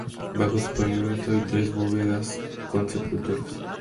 Bajo su pavimento hay tres bóvedas con sepulturas.